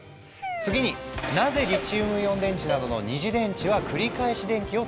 次になぜリチウムイオン電池などの「二次電池」は繰り返し電気を作れるのか？